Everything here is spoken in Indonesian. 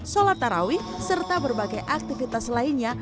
sholat tarawih serta berbagai aktivitas lainnya